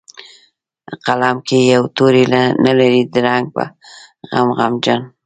قلم کې یې توري نه لري د رنګ په غم غمجن